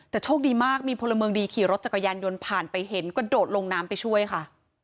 แต่โชคดีมากมีพลเมืองดีขี่รถจักรยานยนต์ผ่านไปเห็นกระโดดลงน้ำไปช่วยค่ะ